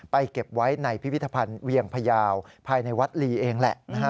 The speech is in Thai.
เก็บไว้ในพิพิธภัณฑ์เวียงพยาวภายในวัดลีเองแหละ